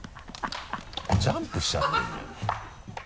ジャンプしちゃってるじゃない。